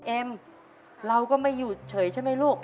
เอ็มเราก็ไม่อยู่เฉยใช่ไหมลูก